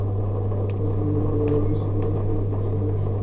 ফারজানা মুন্নি জানালেন, এসব ক্ষেত্রে চুল খুব সহজেই নষ্ট হয়ে যায়।